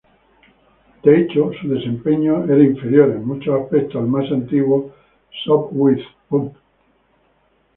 De hecho, su desempeño era inferior en muchos aspectos al más antiguo Sopwith Pup.